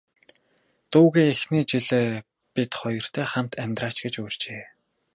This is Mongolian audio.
Дүүгээ эхний жил бид хоёртой хамт амьдраач гэж урьжээ.